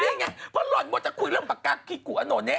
นี่ไงเพราะหล่อนมัวจะคุยเรื่องปากกาคิกุอโนเน